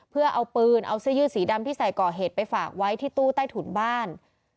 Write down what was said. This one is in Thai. เพื่อเอาปืนเอาเสื้อยืดสีดำที่ใส่ก่อเหตุไปฝากไว้ที่ตู้ใต้ถุนบ้าน